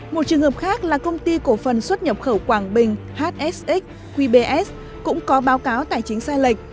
một trường hợp khác là công ty cổ phần xuất nhập khẩu quảng bình hsx qbs cũng có báo cáo tài chính sai lệch